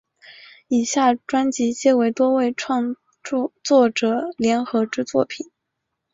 以下专辑皆为多位创作者联合之作品。